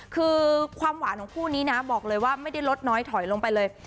คือความหวานของคู่นี้นะบอกเลยว่าไม่ได้ลดน้อยถอยลงไปเลย